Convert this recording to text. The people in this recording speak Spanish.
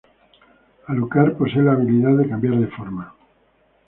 Alucard posee la habilidad de cambiar de forma.